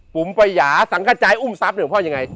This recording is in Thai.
ผมประหยาสังกระจายอุ้มทรัพย์หลวงพ่อยังไง